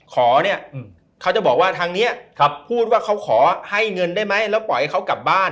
ขอเนี่ยเขาจะบอกว่าทางนี้พูดว่าเขาขอให้เงินได้ไหมแล้วปล่อยเขากลับบ้าน